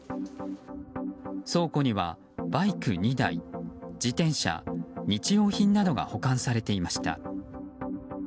倉庫にはバイク２台自転車、日用品などが保管されていました。